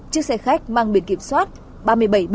chiếc xe khách mang biển kiểm soát ba mươi bảy b sáu trăm linh một